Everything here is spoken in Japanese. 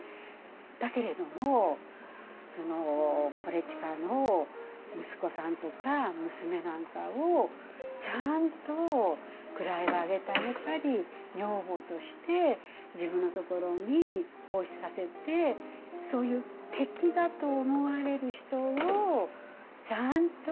だけれども伊周の息子さんとか娘なんかをちゃんと位を上げてあげたり女房として自分のところに奉仕させてそういう敵だと思われる人をちゃんと。